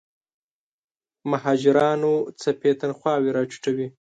مهاجرانو څپې تنخواوې راټیټوي.